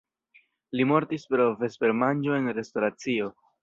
Li mortis pro vespermanĝo en restoracio.